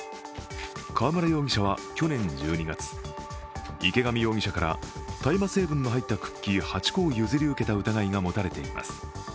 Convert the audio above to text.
川村容疑者は去年１２月池上容疑者から大麻成分の入ったクッキー８個を譲り受けた疑いが持たれています。